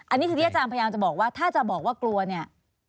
อันนี้คือที่อาจารย์พยายามจะบอกว่าถ้าจะบอกว่ากลัวเนี่ย